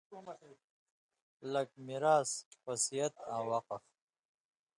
لَک: میراث، وصیت آں وقف